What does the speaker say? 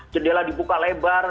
jendela dibuka lebar